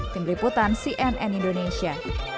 pembeliputan cnn indonesia